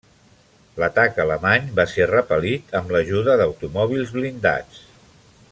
L'atac alemany va ser repel·lit amb l'ajuda d'automòbils blindats.